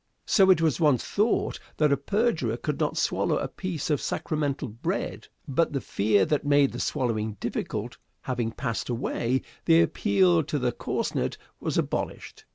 So it was once thought that a perjurer could not swallow a piece of sacramental bread; but, the fear that made the swallowing difficult having passed away, the appeal to the corsned was abolished.